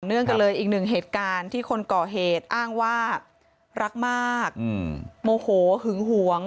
งกันเลยอีกหนึ่งเหตุการณ์ที่คนก่อเหตุอ้างว่ารักมากโมโหหึงหวง